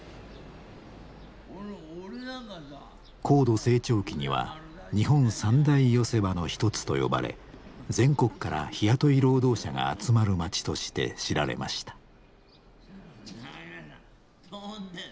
高度成長期には日本三大寄せ場の一つと呼ばれ全国から日雇い労働者が集まる街として知られました。